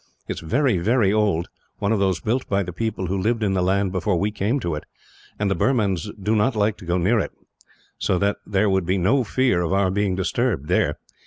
It is very, very old; one of those built by the people who lived in the land before we came to it, and the Burmans do not like to go near it; so that there would be no fear of our being disturbed, there.